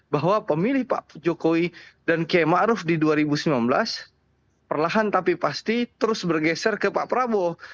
bahwa pemilih pak jokowi dan kiai ⁇ maruf ⁇ di dua ribu sembilan belas perlahan tapi pasti terus bergeser ke pak prabowo